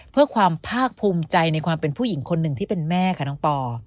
เพื่อความภาคภูมิใจในความเป็นผู้หญิงคนหนึ่งที่เป็นแม่ค่ะน้องปอ